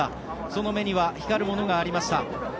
その目には光るものがありました。